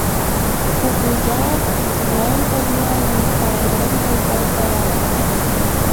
Кугуяр, лампым налын, Тайрам волгалтара.